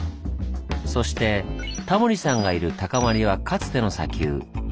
そしてタモリさんがいる高まりはかつての砂丘。